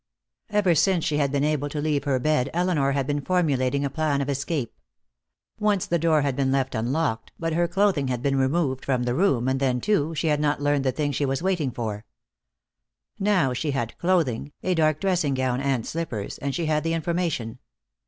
Ever since she had been able to leave her bed Elinor had been formulating a plan of escape. Once the door had been left unlocked, but her clothing had been removed from the room, and then, too, she had not learned the thing she was waiting for. Now she had clothing, a dark dressing gown and slippers, and she had the information.